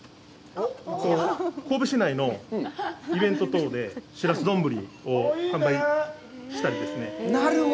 神戸市内のイベント等でしらす丼ぶりを販売したりですね。